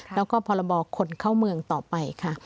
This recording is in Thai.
แล้วก็พรบคนเข้าเมืองต่อไปค่ะ